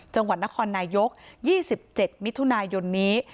จังหวัดนครนายก๒๗มิถุนายนนี้